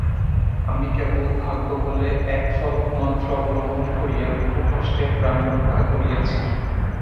আমি কেবল ভাগ্যবলে একফলকমাত্র অবলম্বন করিয়া বহু কষ্টে প্রাণরক্ষা করিয়াছি।